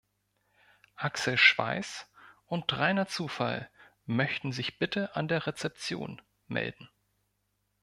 Axel Schweiß und Reiner Zufall möchten sich bitte an der Rezeption melden.